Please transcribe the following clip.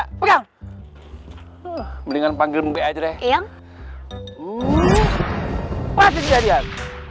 hai menganggap mendingan panggilan bekerja yang pas jadian